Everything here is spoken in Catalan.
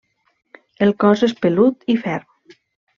El cos és pelut i ferm.